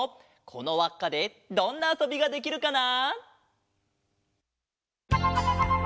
このわっかでどんなあそびができるかな！？